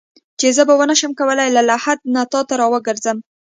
چې زه به ونه شم کولای له لحد نه تا ته راوګرځم.